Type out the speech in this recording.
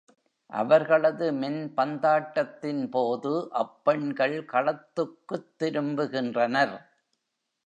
அவர்களது மென்பந்தாட்டத்தின் போது அப்பெண்கள் களத்துக்குத் திரும்புகின்றனர்.